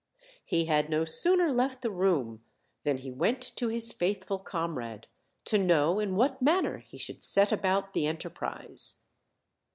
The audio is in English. He had no sooner left the room than he went to his faithful Comrade, to know in what man ner he should set about the enterprise.